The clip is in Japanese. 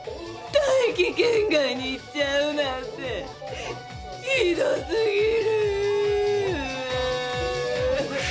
大気圏外に行っちゃうなんてひど過ぎる。